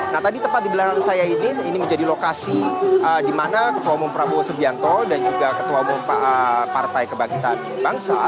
nah tadi tepat di belakang saya ini ini menjadi lokasi di mana ketua umum prabowo subianto dan juga ketua umum partai kebangkitan bangsa